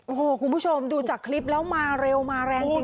โอ้โหคุณผู้ชมดูจากคลิปแล้วมาเร็วมาแรงจริง